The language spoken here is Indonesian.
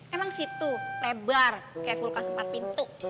emang situ lebar kayak kulkas empat pintu